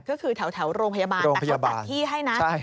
ก็คือแถวโรงพยาบาลแต่เขาจัดที่ให้นะ